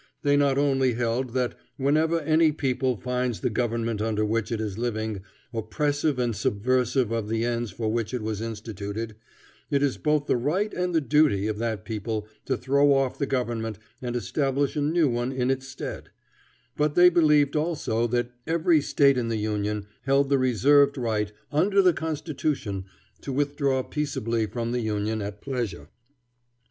They not only held that whenever any people finds the government under which it is living oppressive and subversive of the ends for which it was instituted, it is both the right and the duty of that people to throw off the government and establish a new one in its stead; but they believed also that every State in the Union held the reserved right, under the constitution, to withdraw peaceably from the Union at pleasure.